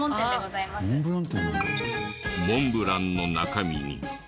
モンブランの中身にその場で。